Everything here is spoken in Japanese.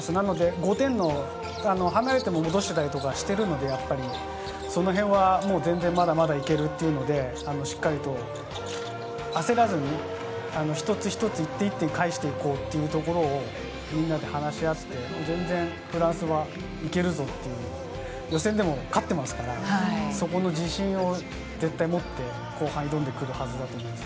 ５点離れても戻したりとかしているので、そのへんは全然まだまだいけるというので、しっかりと焦らずに、一つ一つ、１点、１点を返していこうというところをみんなで話し合って、フランスはいけるぞという、予選でも勝っていますから、そこの自信を絶対持って、後半挑んでくるはずだと思います。